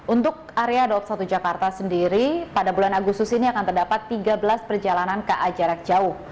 untuk area daup satu jakarta sendiri pada bulan agustus ini akan terdapat tiga belas perjalanan ka jarak jauh